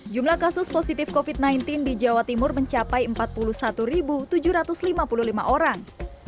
jumlah kasus positif covid sembilan belas di jawa timur mencapai empat puluh satu tujuh ratus lima puluh lima orang